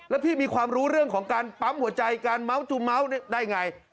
แล้วพี่มีความรู้เรื่องของการปั๊มหัวใจการเมาส์จูเม้าได้ไง